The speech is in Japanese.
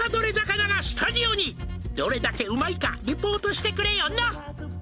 「どれだけうまいかリポートしてくれよな」